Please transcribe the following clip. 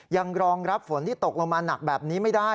รองรับฝนที่ตกลงมาหนักแบบนี้ไม่ได้